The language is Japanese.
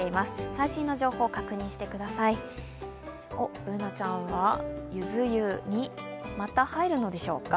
Ｂｏｏｎａちゃんはゆず湯にまた入るのでしょうか。